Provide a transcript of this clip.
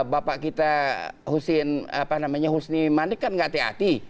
bapak kita husin apa namanya husni manik kan gak hati hati